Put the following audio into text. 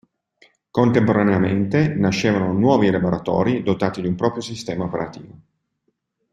Contemporaneamente nascevano nuovi elaboratori dotati di un proprio sistema operativo.